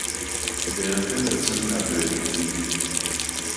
دەیانکەن بە چەند تابلۆیەکی زیندوو